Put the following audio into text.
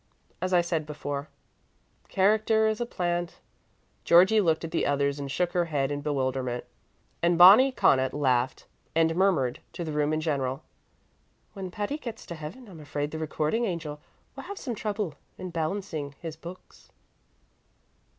As I said before, character is a plant " Georgie looked at the others and shook her head in bewilderment, and Bonnie Connaught laughed and murmured to the room in general: "When Patty gets to heaven I'm afraid the Recording Angel will have some trouble in balancing his books."